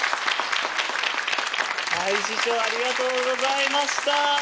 はい師匠ありがとうございました。